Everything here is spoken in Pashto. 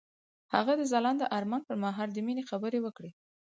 هغه د ځلانده آرمان پر مهال د مینې خبرې وکړې.